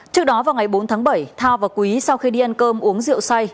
trước đó vào ngày bốn tháng bảy thao và quý sau khi đi ăn cơm uống rượu say